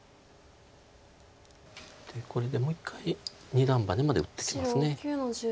これでもう一回二段バネまで打ってきます。